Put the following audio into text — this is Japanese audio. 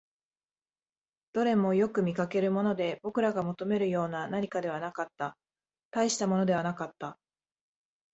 どれもよく見かけるもので、僕らが求めるような何かではなかった、大したものではなかった